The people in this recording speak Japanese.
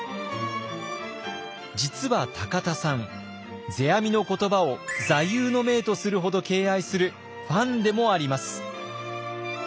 実は田さん世阿弥の言葉を座右の銘とするほど敬愛するファンでもあります。